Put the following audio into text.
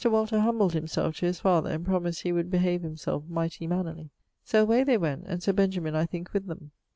Walter humbled himselfe to his father, and promised he would behave himselfe mighty mannerly. So away they went (and Sir Benjamin, I think, with them).